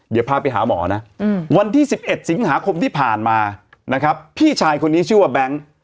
เดี๋ยวพาไปหาหมอนะวันที่๑๑สิงหาคมที่ผ่านมานะครับพี่ชายคนนี้ชื่อว่าแบงค์